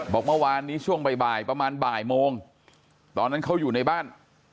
บอกเมื่อวานนี้ช่วงบ่ายประมาณบ่ายโมงตอนนั้นเขาอยู่ในบ้าน